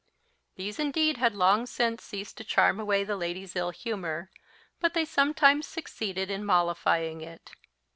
These indeed had long since ceased to charm away the lady's ill humour, but they sometimes succeeded in mollifying it.